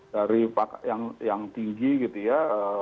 dari yang tinggi gitu ya